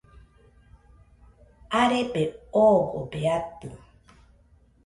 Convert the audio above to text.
arebe oogobe atɨ